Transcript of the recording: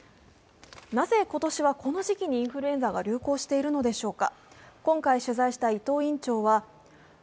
なぜ今年はこの時期にインフルエンザが流行しているのでしょうか。